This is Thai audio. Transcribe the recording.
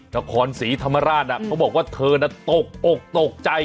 นครศรีธรรมราชเขาบอกว่าเธอน่ะตกอกตกใจ